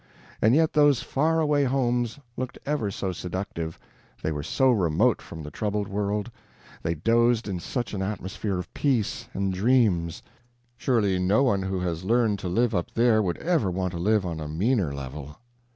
And yet those far away homes looked ever so seductive, they were so remote from the troubled world, they dozed in such an atmosphere of peace and dreams surely no one who has learned to live up there would ever want to live on a meaner level.